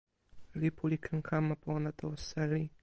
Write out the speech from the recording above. lipu li ken kama pona tawa seli.